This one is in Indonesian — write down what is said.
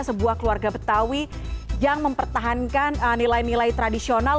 sebuah keluarga betawi yang mempertahankan nilai nilai tradisional